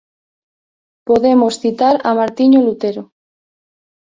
Podemos citar a Martiño Lutero.